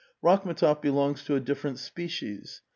Rakh m6tof belongs to a different species.